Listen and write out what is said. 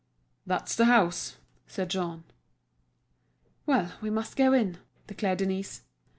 "That's the house," said Jean. "Well, we must go in," declared Denise.